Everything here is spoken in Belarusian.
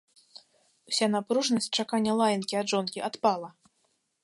Уся напружанасць чакання лаянкі ад жонкі адпала.